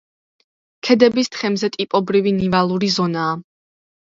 ქედების თხემზე ტიპობრივი ნივალური ზონაა.